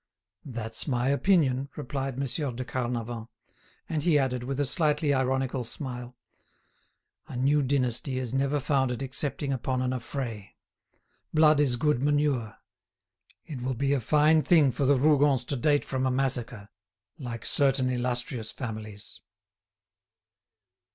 "That's my opinion," replied Monsieur de Carnavant. And he added, with a slightly ironical smile: "A new dynasty is never founded excepting upon an affray. Blood is good manure. It will be a fine thing for the Rougons to date from a massacre, like certain illustrious families."